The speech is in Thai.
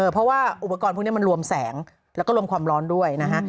เพราะว่าอุปกรณ์พวกนี้มันรวมแสงแล้วก็รวมความร้อนด้วยนะฮะ